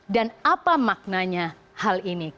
dan apa maknanya hal ini